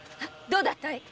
どうだったい？